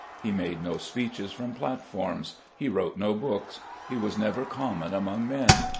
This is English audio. He made no speeches from platforms. He wrote no books. He was never common among men.